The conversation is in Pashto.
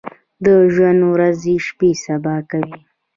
د ژوند ورځې شپې سبا کوي ۔